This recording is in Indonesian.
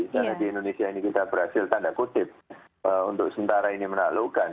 karena di indonesia ini kita berhasil tanda kutip untuk sementara ini menaklukkan